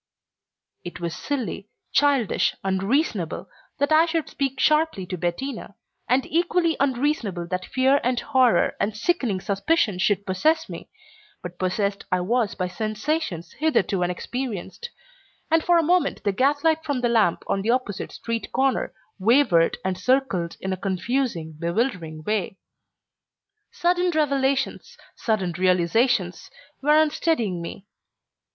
It was silly, childish, unreasonable, that I should speak sharply to Bettina, and equally unreasonable that fear and horror and sickening suspicion should possess me, but possessed I was by sensations hitherto unexperienced, and for a moment the gaslight from the lamp on the opposite street corner wavered and circled in a confusing, bewildering way. Sudden revelations, sudden realizations, were unsteadying me.